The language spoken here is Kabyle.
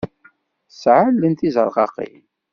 Tesɛa allen d tizerqaqin.